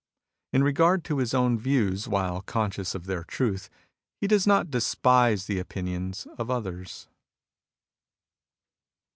In regard to his own views, while conscious of their truth, he does not despise the opinions of others."